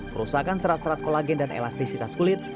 kerusakan serat serat kolagen dan elastisitas kulit